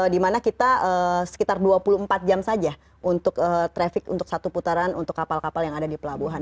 dimana kita sekitar dua puluh empat jam saja untuk traffic untuk satu putaran untuk kapal kapal yang ada di pelabuhan